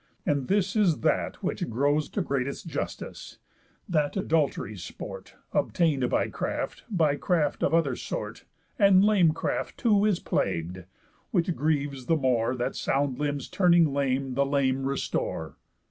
And this is that which grows To greatest justice: that adult'ry's sport, Obtain'd by craft, by craft of other sort (And lame craft too) is plagued, which grieves the more, That sound limbs turning lame the lame restore."